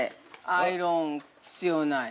アイロン必要ない。